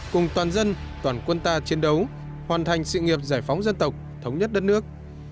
cùng toàn dân toàn quân ta chiến đấu hoàn thành sự nghiệp giải phóng dân tộc thống nhất đất nước